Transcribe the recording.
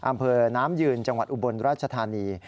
อำเภอน้ำยืนจังหวัดอุบลราชธานี